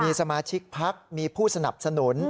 มีสมาชิกพักมีผู้สนับสนุน